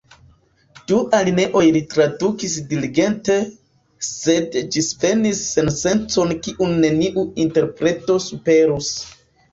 Du alineojn li tradukis diligente, sed ĝisvenis sensencon kiun neniu interpreto superus.